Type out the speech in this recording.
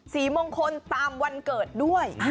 สีมงคลตามวันเกิดด้วย